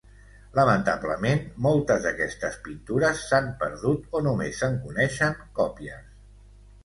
Lamentablement, moltes d"aquests pintures s"han perdut o només se"n coneixen còpies.